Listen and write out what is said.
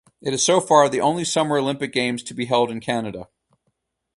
It is so far the only Summer Olympic Games to be held in Canada.